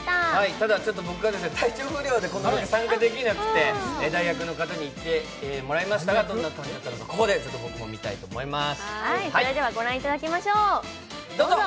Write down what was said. ただ僕が体調不良でこの日、参加できなくて代役の方に行ってもらいましたが、どんな感じだったのか僕もここで見たいと思います。